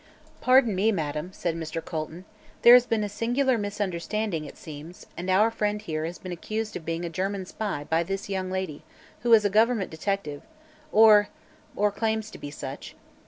"Pardon me, madam," said Mr. Colton. "There has been a singular misunderstanding, it seems, and our friend here has been accused of being a German spy by this young lady, who is a government detective or or claims to be such.